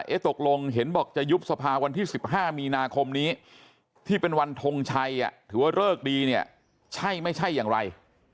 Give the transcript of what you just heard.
ตกลงเห็นบอกจะยุบสภาวันที่๑๕มีนาคมนี้ที่เป็นวันทงชัยถือว่าเลิกดีเนี่ยใช่ไม่ใช่อย่างไร